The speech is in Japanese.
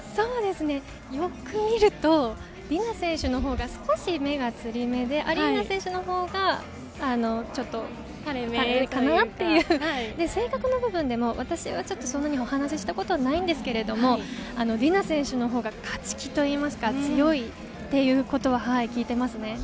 よく見ると、ディナ選手のほうが少し目がつり目でアリーナ選手のほうがちょっとたれ目かなっていう、性格の部分でも私はお話したことないんですけれども、ディナ選手のほうが勝ち気というか、強いということは聞いています。